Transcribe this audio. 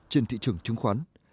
trên thị trường chứng khoán